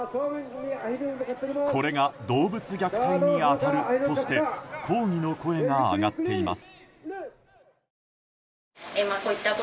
これが動物虐待に当たるとして抗議の声が上がっています。